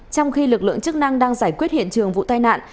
trong khi lực lượng chức năng đang giải quyết hiện trường vụ tai nạn